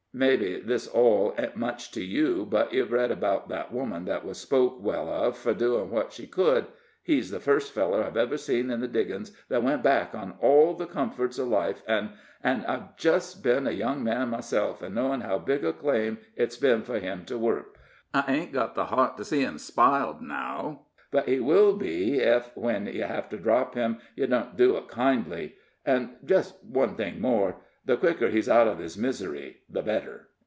Mebbe this all ain't much to you, but you've read 'bout that woman that was spoke well uv fur doin' what she could. He's the fust feller I've ever seen in the diggin's that went back on all the comforts uv life, an' an' I've been a young man myself, an' know how big a claim it's been fur him to work. I ain't got the heart to see him spiled now; but he will be ef, when yer hev to drop him, yer don't do it kindly. An' just one thing more the quicker he's out of his misery the better."